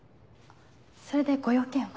それでご用件は？